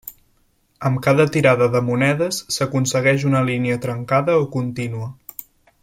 Amb cada tirada de monedes, s'aconsegueix una línia trencada o contínua.